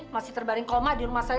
masih terbaring koma di rumah saya